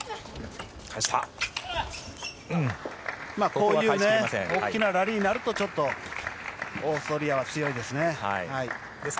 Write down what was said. こういう大きなラリーになるとちょっとオーストリアは強いですね。